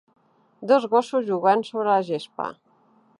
Dos gossos jugant sobre la gespa.